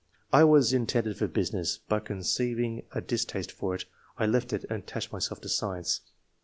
I was intend ed for business, but conceiving a distaste for it, I left it and attached myself to science."